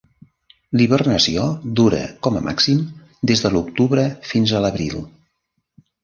La hibernació dura, com a màxim, des de l'octubre fins a l'abril.